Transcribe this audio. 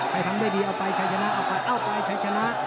ใครทำได้ดีเอาไปชัยชนะ